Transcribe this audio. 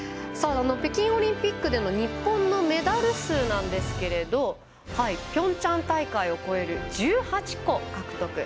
北京オリンピックでの日本のメダル数なんですけれどピョンチャン大会を超える１８個獲得。